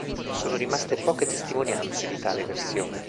Sono rimaste poche testimonianze di tale versione.